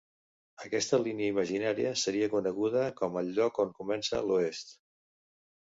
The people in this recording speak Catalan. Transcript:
Aquesta línia imaginària seria coneguda com el lloc 'on comença l'Oest'.